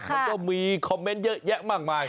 มันก็มีคอมเมนต์เยอะแยะมากมาย